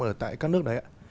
ở tại các nước đấy ạ